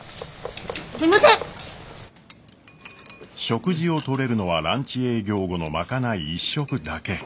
食事をとれるのはランチ営業後の賄い１食だけ。